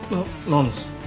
な何です？